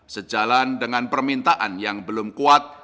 sejalan dengan permintaan yang belum kuat